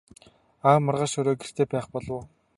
Аав маргааш орой гэртээ байх болов уу?